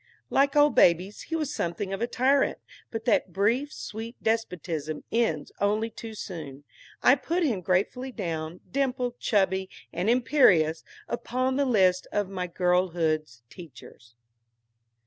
Like all babies, he was something of a tyrant; but that brief, sweet despotism ends only too soon. I put him gratefully down, dimpled, chubby, and imperious, upon the list of my girlhood's teachers.